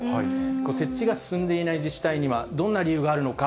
設置が進んでいない自治体には、どんな理由があるのか。